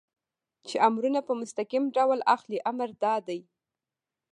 چې امرونه په مستقیم ډول اخلئ، امر دا دی.